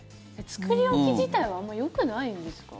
作り置き自体はあんまりよくないんですか？